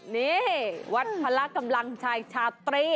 นี่วัดพละกำลังชายชาตรี